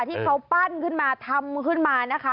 ที่เขาปั้นขึ้นมาทำขึ้นมานะคะ